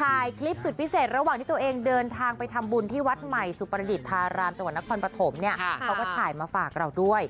คารามจังหวัดนครปฐมเนี่ยเขาก็ถ่ายมาฝากเราด้วย